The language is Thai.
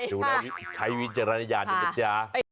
ดูนะใครวิจารณญาณเจ้าพระเจ้า